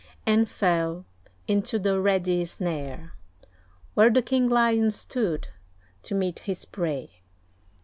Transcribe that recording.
And fell into the ready snare, Where the King Lion stood to meet his prey.